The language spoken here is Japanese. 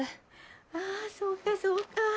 あそうかそうか。